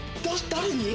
誰に？